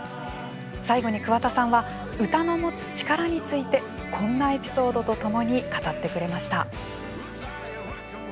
最後に桑田さんは歌の持つ力についてこんなエピソードとともに語ってくれました。